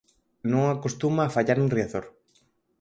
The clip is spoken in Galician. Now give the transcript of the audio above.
Non acostuma a fallar en Riazor.